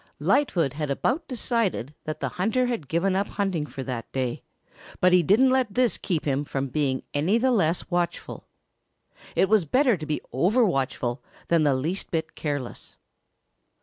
Lightfoot had about decided that the hunter had given up hunting for that day, but he didn't let this keep him from being any the less watchful. It was better to be overwatchful than the least bit careless.